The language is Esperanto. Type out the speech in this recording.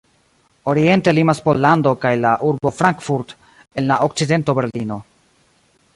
Oriente limas Pollando kaj la urbo Frankfurt, en la okcidento Berlino.